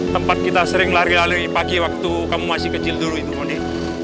tempat kita sering lari lari pagi waktu kamu masih kecil dulu itu moni